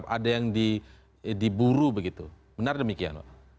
ada yang diburu begitu benar demikian